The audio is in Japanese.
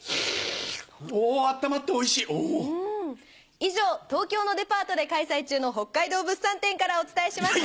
以上東京のデパートで開催中の北海道物産展からお伝えしました。